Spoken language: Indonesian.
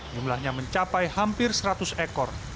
jumlahnya mencapai hampir seratus ekor